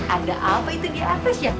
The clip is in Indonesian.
ada apa itu di atas ya